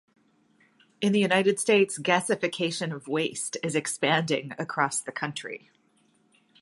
In the United States, gasification of waste is expanding across the country.